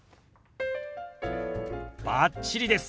バッチリです。